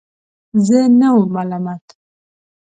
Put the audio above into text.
زه نه وم ملامت.